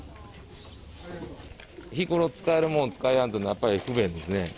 日ごろ使えるものが使えないというのは、やっぱり不便ですね。